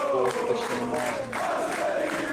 کو پشیماں ہوں